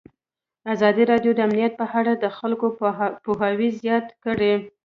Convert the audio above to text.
ازادي راډیو د امنیت په اړه د خلکو پوهاوی زیات کړی.